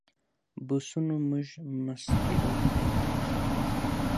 بسونو موږ مسجدالحرام ته مخامخ.